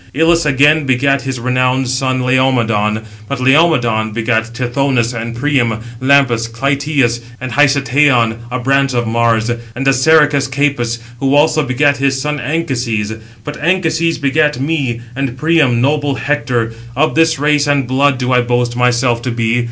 Ilus again begat his renowned son Laomedon; but Laomedon begat Tithonus and Priam, Lampus, Clytius, and Hicetaon, a branch of Mars; and Assaracus Capys, who also begat his son Anchises. But Anchises begat me, and Priam noble Hector. Of this race and blood do I boast myself to be.